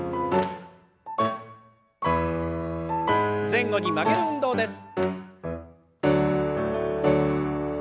前後に曲げる運動です。